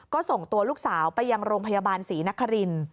ก็ส่งตัวลูกสาวไปยังโรงพยาบาลศรีนคริน